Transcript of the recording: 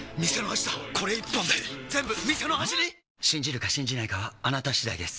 信じるか信じないかはあなた次第です